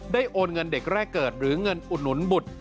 โอนเงินเด็กแรกเกิดหรือเงินอุดหนุนบุตร